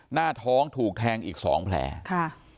หน้าท้องถูกแทงอีกสองแผลค่ะ